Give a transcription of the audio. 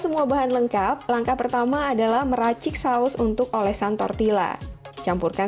semua bahan lengkap langkah pertama adalah meracik saus untuk olesan tortilla campurkan